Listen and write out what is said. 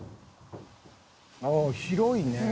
ああ広いね。